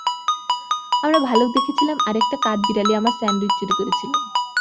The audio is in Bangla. আমরা ভালুক দেখেছিলাম আর একটা কাঠবিড়ালি আমার স্যান্ডউইচ চুরি করেছিল।